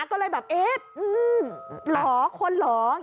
ก็เลยแบบเอ๊ะหล่อคนหล่อ